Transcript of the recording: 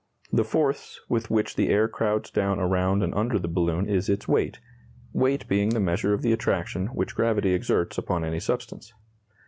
The force with which the air crowds down around and under the balloon is its weight weight being the measure of the attraction which gravity exerts upon any substance.